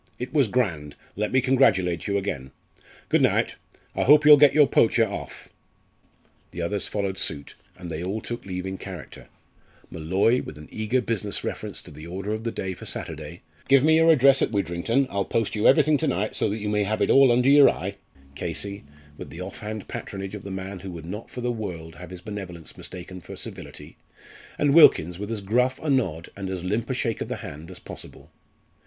It was grand! let me congratulate you again. Good night I hope you'll get your poacher off!" The others followed suit, and they all took leave in character; Molloy, with an eager business reference to the order of the day for Saturday, "Give me your address at Widrington; I'll post you everything to night, so that you may have it all under your eye" Casey, with the off hand patronage of the man who would not for the world have his benevolence mistaken for servility, and Wilkins with as gruff a nod and as limp a shake of the hand as possible.